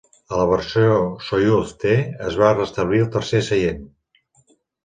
A la versió Soyuz-T es va restablir el tercer seient.